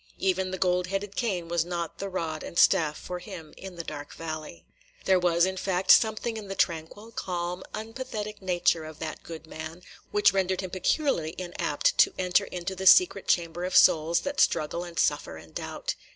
Even the gold headed cane was not the rod and staff for him in the dark valley. There was, in fact, something in the tranquil, calm, unpathetic nature of that good man, which rendered him peculiarly inapt to enter into the secret chamber of souls that struggle and suffer and doubt.